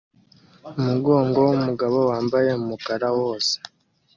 Umugongo wumugabo wambaye umukara wose